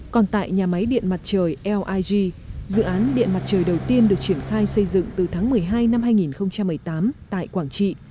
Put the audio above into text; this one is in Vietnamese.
còn tại nhà máy điện mặt trời lig dự án điện mặt trời đầu tiên được triển khai xây dựng từ tháng một mươi hai năm hai nghìn một mươi tám tại quảng trị